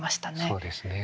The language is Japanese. そうですね。